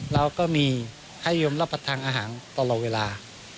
เราก็มีให้ยมรับประทานอาหารตลอดเวลา